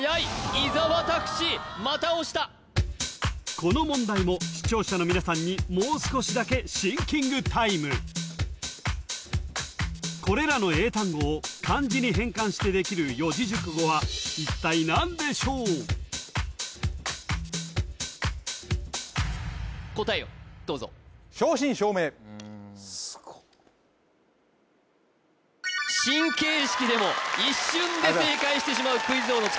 伊沢拓司また押したこの問題も視聴者の皆さんにもう少しだけシンキングタイムこれらの英単語を漢字に変換してできる四字熟語は一体何でしょう答えをどうぞ・すごっ新形式でも一瞬で正解してしまうクイズ王の力